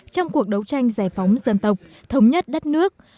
trong cuộc đấu tranh giải phóng dân tộc thống nhất đất nước